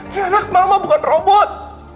dan anak mama bukan robot